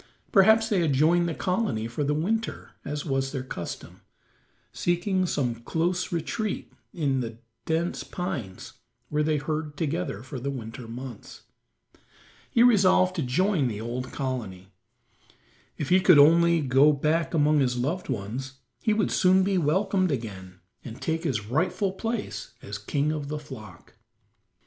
Perhaps they had joined the colony for the winter, as was their custom, seeking some close retreat in the dense pines where they herd together for the winter months. He resolved to join the old colony. If he could only go back among his loved ones he would soon be welcomed again and take his rightful place as king of the flock.